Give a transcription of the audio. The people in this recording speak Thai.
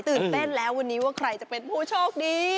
ตื่นเต้นแล้ววันนี้ว่าใครจะเป็นผู้โชคดี